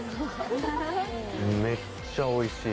めっちゃおいしい。